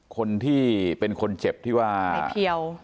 คนที่เป็นคนเจ็บที่ว่าในเพียว